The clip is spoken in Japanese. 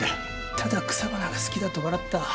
ただ草花が好きだと笑った。